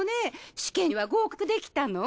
試験には合格できたの？